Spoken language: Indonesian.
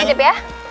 ini dititip ya